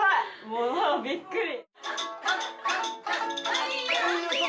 もうびっくり！